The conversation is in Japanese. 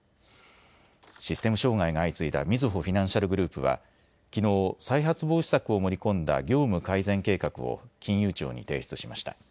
システム障害が相次いだみずほフィナンシャルグループはきのう再発防止策を盛り込んだ業務改善計画を金融庁に提出しました。